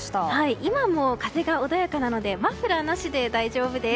今も風が穏やかなのでマフラーなしで大丈夫です。